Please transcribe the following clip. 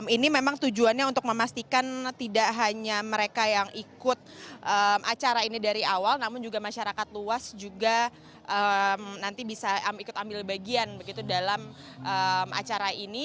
ini memang tujuannya untuk memastikan tidak hanya mereka yang ikut acara ini dari awal namun juga masyarakat luas juga nanti bisa ikut ambil bagian begitu dalam acara ini